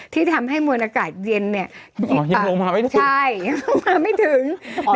ที่ทำให้มวลอากาศเย็นยังมาไม่ถึง